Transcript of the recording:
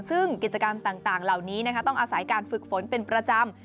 ซึ่งกิจกรรมต่างเหล่านี้ต้องอาศัยการฝึกฝนเป็นประจำ